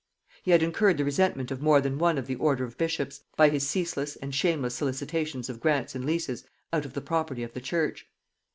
He had incurred the resentment of more than one of the order of bishops, by his ceaseless and shameless solicitations of grants and leases out of the property of the Church.